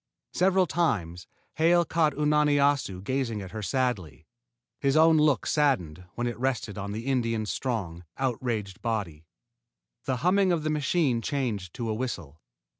Several times Hale caught Unani Assu gazing at her sadly, and his own look saddened when it rested on the Indian's strong, outraged body. The humming of the machine changed to a whistle.